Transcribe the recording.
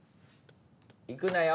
行くなよ。